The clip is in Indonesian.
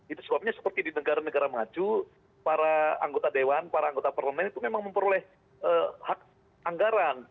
itu sebabnya seperti di negara negara maju para anggota dewan para anggota parlemen itu memang memperoleh hak anggaran